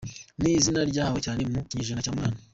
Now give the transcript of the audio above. Ni izina ryaharawe cyane mu kinyejana cya munani.